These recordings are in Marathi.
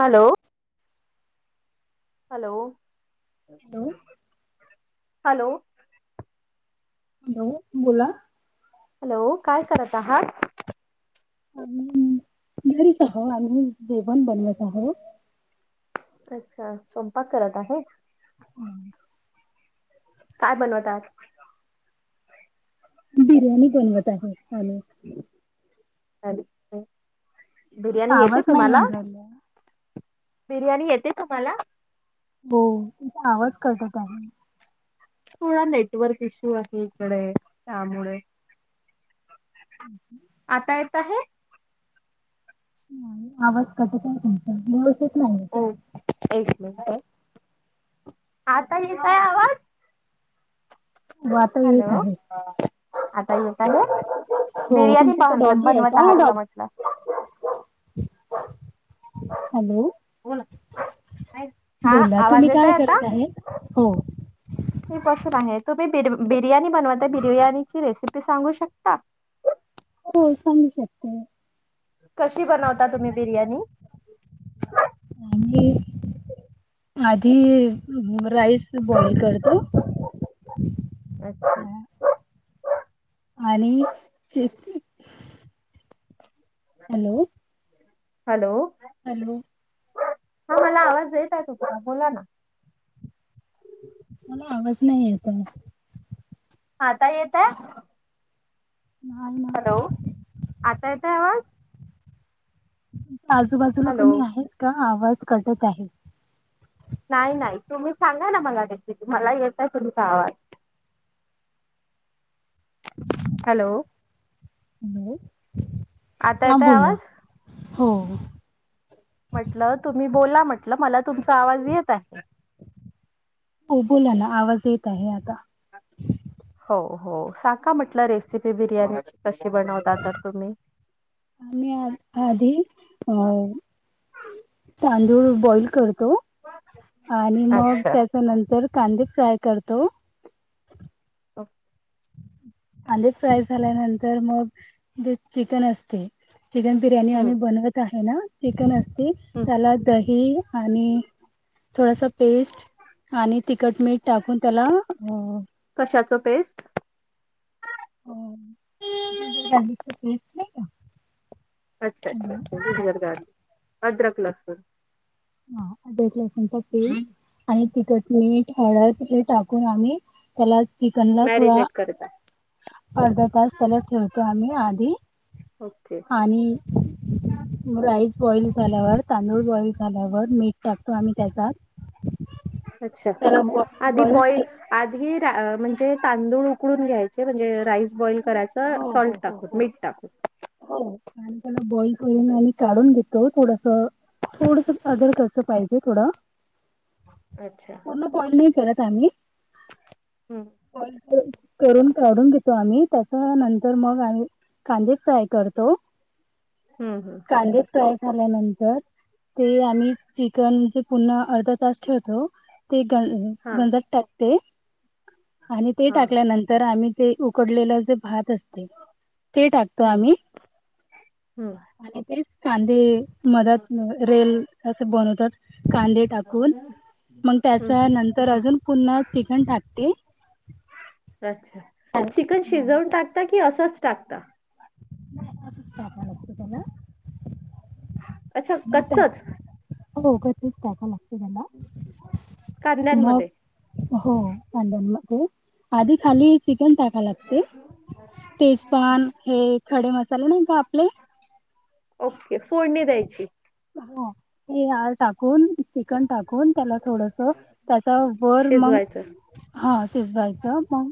Hello, hello hello. Hello, hello बोला. हॅलो काय करत आहात? आम्हीं घरीच आहों आम्हीं जेवण बनवत आहों. अच्छा स्वयंपाक करत आहेत काय बनवतात? बिर्याणी बनवत आहे आम्ही. अचा बिर्याणी तुमचा येते आवाज नाही तुम्हाला? येऊन राहिला. बिर्याणी येते तुम्हाला? हो आवाज करत त्यांनी थोडा नेटवर्क इशू आहे इकडे त्यामुळे ह. [inaudible] आता येत आहे? नाही आवाज कटतयव [inaudible] एक मिनट आहे आता येतय आवाज. हो आता येत हॅलो आहे. आता येत आहे? हो बिर्याणी तुमच्या इथं ब डॉगी आहे बनवत आहात का डॉग म्हटलं? हॅलो बोला हा बोला तुम्ही आवाज येत काय करत आहे? हो. हे बसून आहे तुम्ही बिर बिर्याणी बनवता बिर्याणीची रेसिपी सांगू शकता? हो सांगू शकते. कशी बनवता तुम्ही बिर्याणी? आम्ही [inaudible] आधी राईस बॉईल करतो अच्छा. आणि हॅलो. हॅलो. हॅलो. हा मला आवाज येत आहे तुमचा बोला ना. मला आवाज नाही येत आहे. आता येत आहे? नाही ना. हॅलो, आता येतय आवाज? आजूबाजूला हॅलो कोणी आहेत का? आवाज कटत आहे. नाही नाही, तुम्ही सांगा ना मला रेसिपी. मला येतय तुमचा आवाज. हॅलो हॅलो आता हा येतोय बोला. आवाज? हो. म्हटलं तुम्ही बोला म्हटलं मला तुमचा आवाज येत आहे. हो बोला ना आवाज येत आहे आता. हो हो साका म्हटलं रेसिपी बिर्याणीची कशी बनवता तर तुम्ही मी आधी तांदूळ बॉइल करतो. आणि मग अच्छा त्याच्या नंतर कांदे फ्राय करतो [inaudible] आले फ्राय झाल्यानंतर मग जे चिकन असते चिकन बिर्याणी हम्म आम्ही बनवत आहे ना चिकनच की हम्म त्याला दही आणि थोडस- पेस्ट आणि तिखट मीठ टाकून त्याला अम- कशाचं पेस्ट? हो जिंजर गार्लिकच पेस्ट नाही का अच्छा हॅलो अच्छा अच्छा जिंजर गार्लिक अदरक लहसून हा अदरक लहसूनच पेस्ट आणि तिखटमीठ हळद हे टाकून आम्ही त्याला चिकन ला थोडा मॅरिनेट करता अर्धा तास त्याला ठेवतो आम्ही आधी ओके आणि राईस बॉईल झाल्यावर तांदूळ बॉईल झाल्यावर मीठ टाकतो आम्ही त्याच्यात अच्छा त्याला बॉ आधी बॉईल बॉय झा आधी म्हणजे तांदूळ उकडून घ्यायचे म्हणजे राईस बॉईल करायच हो हो हो हो हो हो. आणि त्याला बॉइल करून आम्ही काढून घेतो थोडस- थोडस सादर कच्च पाहिजे थोडं अच्छा. मग बॉईज नाही करत आम्ही. हम् फॉइल करून काढून घेतो आम्ही त्या तर नंतर मग आम्ही कांदे फ्राय करतो हम्म हम्म कांदे फ्राय झाल्यानंतर ते आम्ही चिकन जे पुन्हा अर्धा तास ठेवतो ते ग हा गंजात टाकते आणि ते हा टाकल्यानंतर आम्ही ते उकडलेलं जे भात असते ते टाकतो हम्म आम्ही हम्म आणि तेच कांदे मदत रेल असे बनवतात कांदे टाकून हम्म मग त्याच्या हम्म नंतर अजून पुन्हा चिकन टाकते अच्छा हा चिकन शिजवून नाही टाकता की असंच टाकता नाही असच टाकायाला लागत त्याला अच्छा म्ह कच्चच होगतीस टाका लागते मला मग कांद्यांमध्ये हो कांद्यांमध्ये आधी खाली चिकन टाका लागते तेजपान हे खडे मसाले नाही का आपले ओके फोडणी द्यायची हो ते आळ टाकून चिकन टाकून त्याला थोडस त्याचा वर मग शिजवायचं हा शिजवायचं मग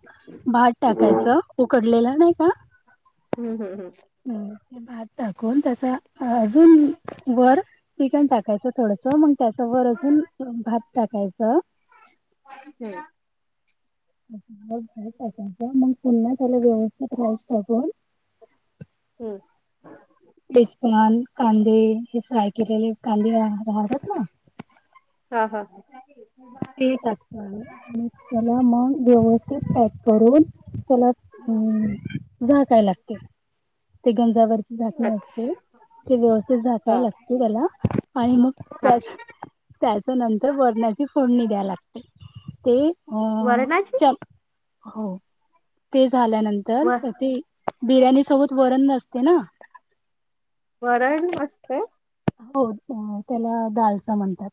भात टाकायचं उकडलेलं नाही का हम् हम् हम अ ते भात टाकून त्याचा अजून वर चिकन टाकायचं थोडस मग त्याच्यावर अजून भात टाकायचं वाइनच्या ते मग राईस टाकायचा पुन्हा त्याला व्यवस्थित राईस टाकून हम तिचकमान कांदे हे फ्राय केलेले कांदे राहतात ना हा हा हा ते टाकत आहे आणि त्याला मग व्यवस्थित पॅक करून त्याला हम झाकायला लागते ते गंजावरती झाकणे असते अच्छा ते व्यवस्थित हा झाकायला लागते त्याला आणि मग हा त्यात त्याच नंतर बरणाची फोडणी द्या लागते ते वरणाची चम हो ते झाल्यानंतर व ते बिर्याणी सोबत वरण नसते ना वर मस्त हो त्याला ालचा म्हणतात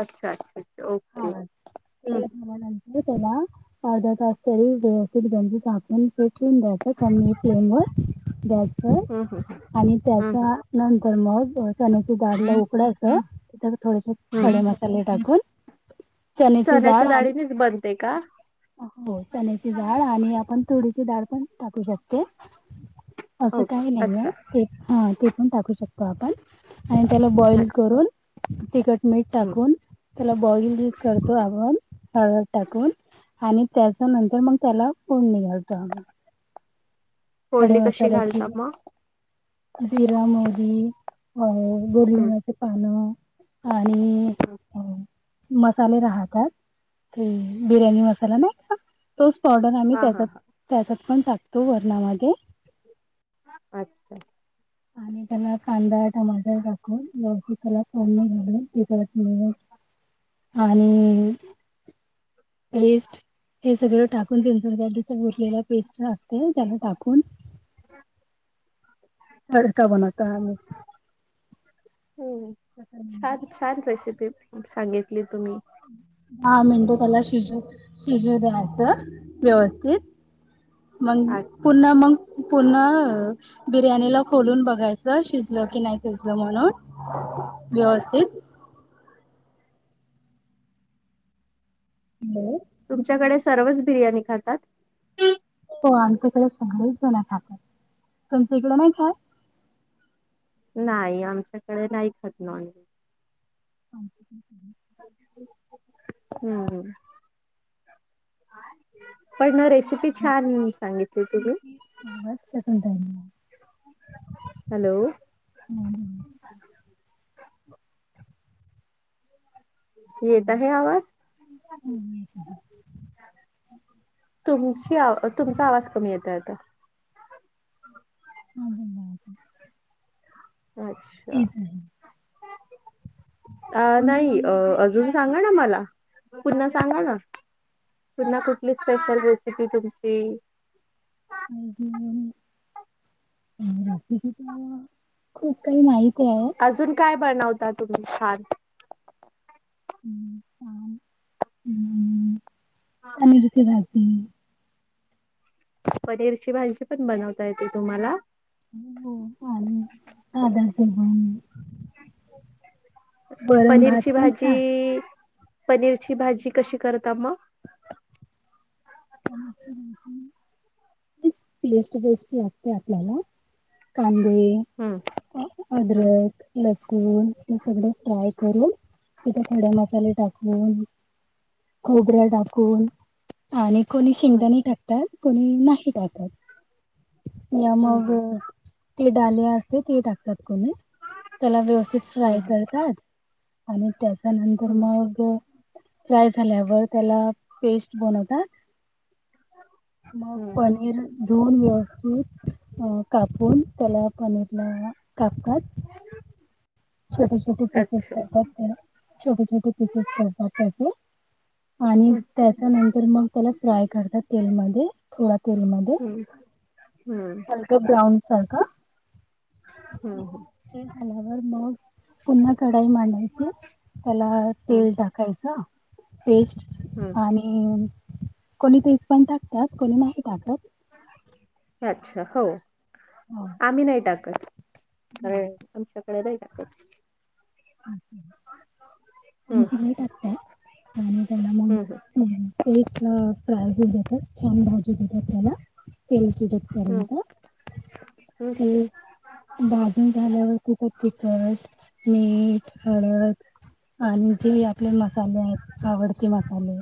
अच्छा अच्छा् हा ते भावा नंतर तला अर्धा तास तरी व्यवस्थित गंजीकूनून द्यायचं कमी फ्लेम व हम्म हम्म आणि हम्म त्याच्या नंतर मग कारल हम्म उकडायचं त्यात थोडेसे खडे हम्म मसाले टाकून चण्याची डाळ चण्याच्या आण डाळीनेच बनते का? हो चण्याची डाळ आणि आपण थोडीशी डाळ पण टाकू शकते असं हो काही अच्छा नाहीय ते हा ते पण टाकू शकतो आपण आणि त्याला अच्छा बॉईल करून तिखट मीठ हं. टाकून त्याला बॉईल करतो आपण हळद टाकून आणि त्याच्या नंतर मग त्याला कोड निघालतो आम्ही खडे फोडणी कशी घालता मसाल्याची मग जिरा मोगऔ गली हम्म म पान आणि मसाले राहतात ते बिर्याणी मसाला नाही का तोच पावडर आम्ही हा हा त्याच्यात हा त्याच्यात पण टाकतो वर्णामध्ये अच्छा आणि त्याला कांदा टमाटर टाकव व्यवस्ित त्याला फोडणी घल तिथत मि [inaudible] आणि पस्ट हे सगळं टाकून तिंचण गडीचा भुरलेला पेस्ट असते त्याला टाकून अ का बनता आम्ही हम्म छान छान रेसिपी सांगितली तुम्ही हा मेंंदू त्याला शिज शिजू द्यायचं व्यवस्थित मग आ- पुण मग पूर्ण बिर्याणीला खोलून बघायच शिजलं की नाही शिजलं म्हणून व्यवस्थित हम तुमच्याकडे सर्वच बिर्याणी खातात हो आमच्याकडे सगळेच जण ठाकात तुमच्या इकडे नाही काय नाही आमच्याकडे नाही खटना हम्म पण ना रेसिपी छान सांगितली तुी ह वाजस हॅलो हां बोला. येत हॅलो. आहे आवाज हो येत आहे. तुमची तुमचा आवाज कमी येत आता हम ह अच्छा तेेत आहे अ तुम्ही नाही अ नॉनव्हेज नाही खात अजून का? सांगा ना मला पुन्हा सांगा ना पुन्हा कुठली स्पेशल रेसिपी तुमची अदी रेसिपीचा खूप काही माहीत आहेऽ अजून काय बनवता तुम्ही छान? हम्, ह हम्, आणि रती रातीऽ पनीरची भाजी पण बनवता येते तुम्हाला? आ आ ते, अच्छा, वरण भात पनीरची पण छानऽ भाजी पनीरची भाजी कशी करता मग? स पेस्ट बेस् असते आपल्याला,,, कांदेऽ हम्म अ हम्म आ्द्रक ऽ लसूण, हे सगळे फ्राय करून,, तिथे खडे मसाले टाकूनऽ खोबऱ्या टाकून आणि कोणी शेंगदाणी टाकतात कोणी नाही टाकतात या मग हम्म ती डाली असते ते टाकतात कोणी त्याला व्यवस्थित फ्राय हम्म करतात आणि त्याच्यानंतर हम्म हम्म हम्म मग फ्राय झाल्यावर त्याला पेस्ट बनवतात मग हम्म पनीर दोन व्यवस्थित अ कापून त्याला पनीरला कापतात छोट छट पिकस अच्छा करतात ोट छोट पिकस करतात आणि हम्म त्याच्यानंतर मग त्याला फ्राय करतात तेलमध्ये,, थोडा तेलमध्येऽ हम्म हम्म, ब्राउन सारखा,, हम्म ते झाल्यावर मगऽ पुन्हा कढाई मांडायची,, त्याला हम्म तेल टाकायचंऽ पेस्ट हम्म आणि कोनी तेज पण टाकतात,, कोनी नाही टाकत. अच्छा,, हो, आम्ही नाही टाकत. कारणऽ आमच्याकडे नाही टाकत. हम्म आमची काही टाकतात,, आणि तेवढ हम्म हम्म मगऽ पेस्ट ला फ्राय होऊ देतात, छान भाजू देतात आपल्यालाऽऽ तेल सूटे हम्म पर्यंत ऽ ते, हम्म भाजून झाल्यावरती तिखट मीटऽ हळदऽ आणि जे आपले मसाले आहेत, आवडते मसाले,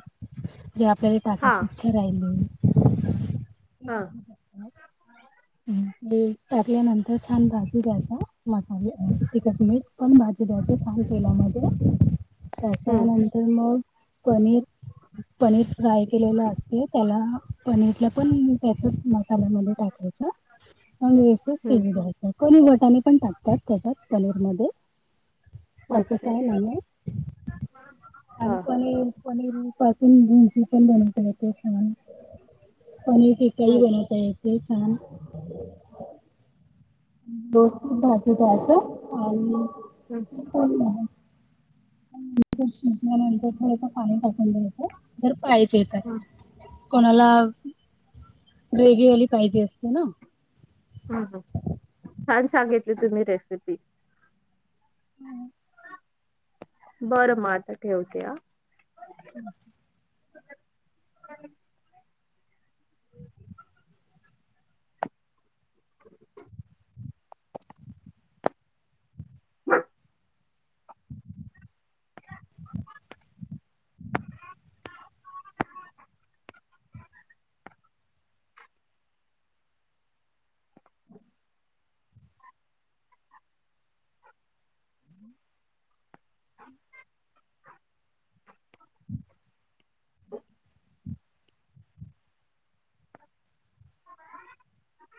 जे आपल्याला हा टाकायचेऽ चे राहिले. ह्, टाकल्यानंतर छान भाजी द्यायचा, मसाले तिखट मीठ पण भाजीऽ छान तेलामध्ये,,,,, हम्म त्याच्यानंतर मगऽ पनीर, पनीरऽ फ्राय केलेलं असते, त्याला पनीरला पण त्याचच मसाल्यामध्ये टाकायचंऽ अनी व्यवस्थीत शिजू हम्म द्यायच, कोणी वटाणी पण टाकतात त्याच्यात पनीर मध्ये. अत अच्छा काही नाही आहे, हा आणि हा पणीरऽ पनीर पासून भुंर्जी पण बनवता येत,, पनीर टिकई अच्छा. बनवऽ एते छान ऽ दोस् भाजी द्यायच आणिऽ हम्म, हो ना. शिजल्यानंतर थोडसं पाणी टाकून दायच,, तर पाय प येतातऽ हम्म, कोणाला रेगीवाली पाहिजे असते ना,, ह,, छान सांगितली तुम्ही रेसिपी. बरं म आता ठेवते हैं, अच्ा, ह ष हम् हो